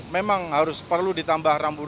memang harus perlu ditambah rambut